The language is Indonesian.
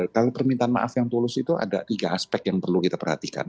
kalau permintaan maaf yang tulus itu ada tiga aspek yang perlu kita perhatikan